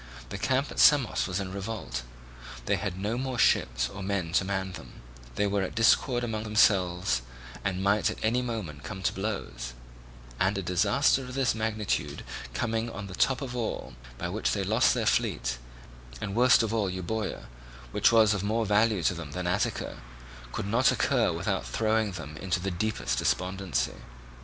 The camp at Samos was in revolt; they had no more ships or men to man them; they were at discord among themselves and might at any moment come to blows; and a disaster of this magnitude coming on the top of all, by which they lost their fleet, and worst of all Euboea, which was of more value to them than Attica, could not occur without throwing them into the deepest despondency.